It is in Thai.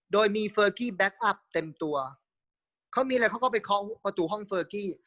โดยมีเฟอร์กี้แบ็คอัพเต็มตัวเขามีอะไรเขาก็ไปเคาะประตูห้องเฟอร์กี้